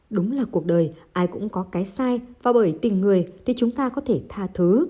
đúng là cuộc đời ai cũng có cái sai và bởi tình người thì chúng ta có thể tha thứ